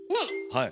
はい。